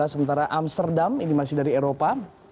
sementara amsterdam ini masih dari eropa